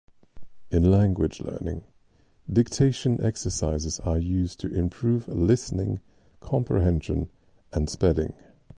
In language learning, dictation exercises are used to improve listening comprehension and spelling.